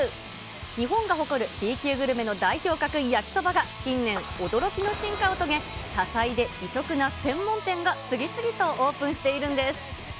日本が誇るＢ級グルメの代表格、焼きそばが近年、驚きの進化を遂げ、多彩で異色な専門店が次々とオープンしているんです。